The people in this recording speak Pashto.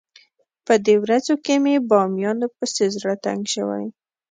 په دې ورځو کې مې بامیانو پسې زړه تنګ شوی.